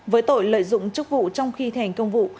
với tội lợi dụng chức vụ trong khi thành công vụ